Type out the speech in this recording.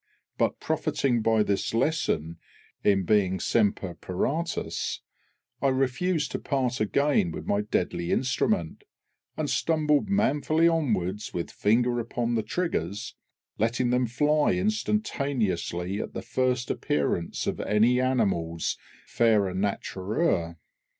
But profiting by this lesson in being semper paratus, I refused to part again with my deadly instrument, and stumbled manfully onwards with finger upon the triggers, letting them fly instantaneously at the first appearance of any animals feræ naturæ.